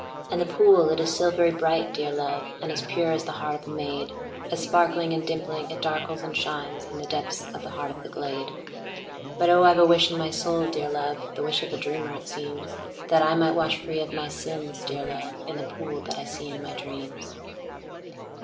And the pool, it is silvery bright, dear love, And as pure as the heart of a maid, As sparkling and dimpling, it darkles and shines In the depths of the heart of the glade. But, oh, I 've a wish in my soul, dear love, (The wish of a dreamer, it seems,) That I might wash free of my sins, dear love, In the pool that I see in my dreams.